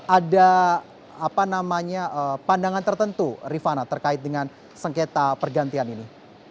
ada pandangan tertentu rifana terkait dengan sengketa pergantian ini